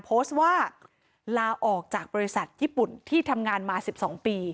โพสต์ว่าลาออกจากบริษัทญี่ปุ่นที่ทำงานมา๑๒ปี